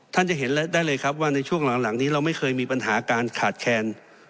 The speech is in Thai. จะเห็นได้เลยครับว่าในช่วงหลังนี้เราไม่เคยมีปัญหาการขาดแคลน